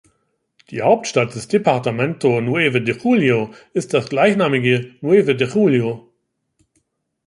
Die Hauptstadt des Departamento Nueve de Julio ist das gleichnamige Nueve de Julio.